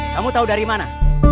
kamu tau dari mana